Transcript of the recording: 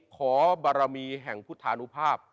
ขอบารมีแห่งพุทธานุภาพ